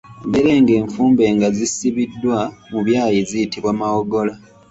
Emberenge enfumbe nga zisibiddwa mu byayi ziyitibwa mawogola.